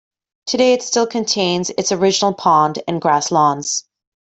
Today it still contains its original pond and grass lawns.